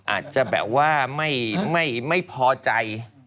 อาจจะแบบว่าไม่พอใจ